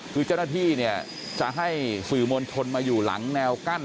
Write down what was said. คือเจ้าหน้าที่เนี่ยจะให้สื่อมวลชนมาอยู่หลังแนวกั้น